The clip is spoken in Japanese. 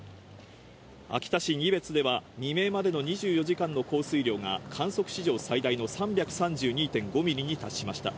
秋田市仁別では、未明までの２４時間の降水量が観測史上最大の３３２．５ミリに達しました。